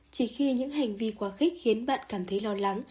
chỉ khi những hành vi quá khích khiến bạn cảm thấy lo lắng